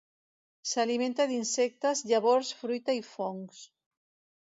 S'alimenta d'insectes, llavors, fruita i fongs.